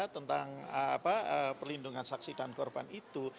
tentang perlindungan saksi dan korban itu